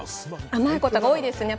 甘いことが多いですね。